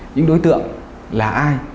những đối tượng là ai